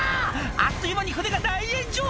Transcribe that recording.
あっという間に船が大炎上！